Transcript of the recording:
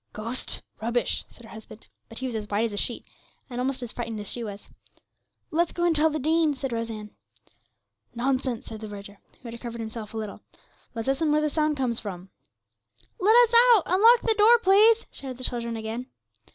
'Ghost! Rubbish!' said her husband; but he was as white as a sheet, and almost as frightened as she was. 'Let's go and tell the Dean,' said Rose Ann. 'Nonsense,' said the verger, who had recovered himself a little; 'let's listen where the sound comes from.' 'Let us out; unlock the door, please!' shouted the children again.